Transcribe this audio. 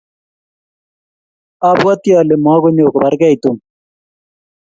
abwatii ale mokunyo kobargei Tom.